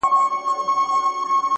• کښتي وان ویل مُلا صرفي لا څه دي,